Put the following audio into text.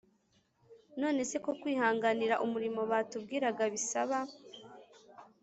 − None se ko kwihangira umurimo batubwiraga bisaba